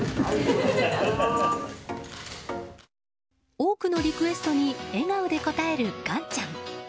多くのリクエストに笑顔で応える岩ちゃん。